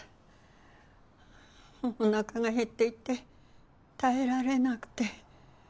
おなかが減っていて耐えられなくて。